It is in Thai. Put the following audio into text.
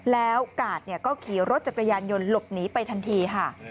แล้วกาดก็ขี่รถจักรยานยนต์หลบหนีไปทันทีค่ะ